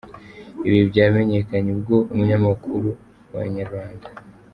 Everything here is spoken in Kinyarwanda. Ibi byamenyekanye ubwo umunyamakuru wa Inyarwanda.